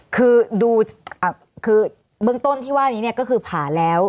คือเบื้องต้นที่ว่านี้ก็คือผ่าแล้ว